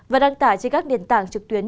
và đăng tải trên các điện tảng trực tuyến